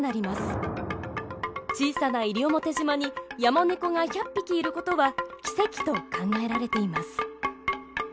小さな西表島にヤマネコが１００匹いることは奇跡と考えられています。